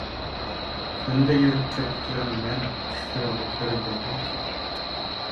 كۈندە يۈرۈپ كىرپىكلىرىڭ نەم، چۈشلىرىڭدە كۆرۈندۈم بەلكىم.